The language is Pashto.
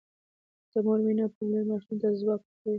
د مور مینه او پاملرنه ماشومانو ته ځواک ورکوي.